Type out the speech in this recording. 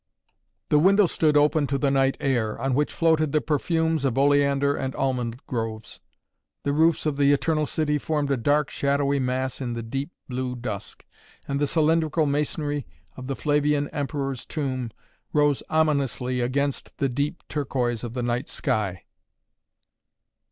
The window stood open to the night air, on which floated the perfumes from oleander and almond groves. The roofs of the Eternal City formed a dark, shadowy mass in the deep blue dusk, and the cylindrical masonry of the Flavian Emperor's Tomb rose ominously against the deep turquoise of the night sky.